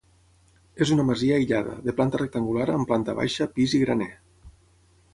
És una masia aïllada, de planta rectangular, amb planta baixa, pis i graner.